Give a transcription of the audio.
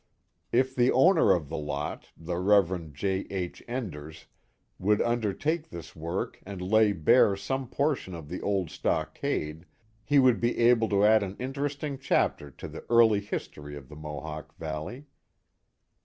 If the owner of the lot, the Rev. J. H. Enders, would undertake this work and lay bare some portion of the old stockade, he would be able to add an inter esting chapter to the early history of the Mohawk Valley.